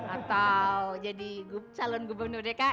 atau jadi calon gubernur dki